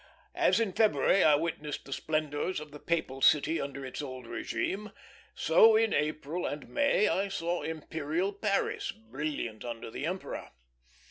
As in February I witnessed the splendors of the papal city under its old régime, so in April and May I saw imperial Paris brilliant under the emperor.